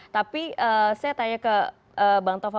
tapi saya tanya ke bang tova